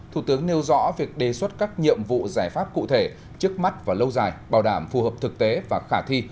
thủ tướng nêu rõ việc đề xuất các nhiệm vụ giải pháp cụ thể trước mắt và lâu dài bảo đảm phù hợp thực tế và khả thi